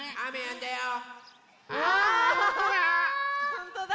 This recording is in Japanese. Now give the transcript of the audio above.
ほんとだ！